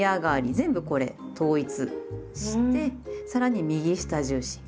全部これ統一してさらに右下重心。